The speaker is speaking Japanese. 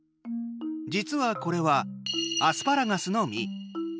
実は、これはアスパラガスの実。